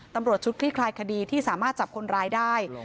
ตำรวจชุดคลี่คลายคดีที่สามารถจับคนร้ายได้